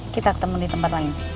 kita ketemu di tempat lain